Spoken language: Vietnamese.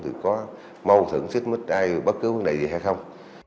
thì có mâu thửng xích mít ai bất cứ cái này gì hay không